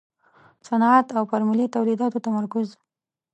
صنعت او پر ملي تولیداتو تمرکز.